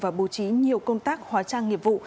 và bố trí nhiều công tác hóa trang nghiệp vụ